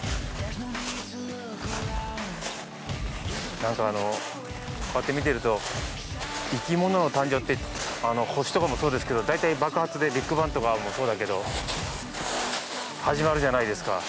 なんか、こうやって見ていると生き物の誕生って星とかもそうですけど、大体爆発でビッグバンとかもそうだけど始まるじゃないですか。